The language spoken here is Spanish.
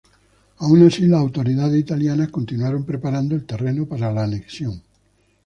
Aun así, las autoridades italianas continuaron preparando el terreno para la anexión.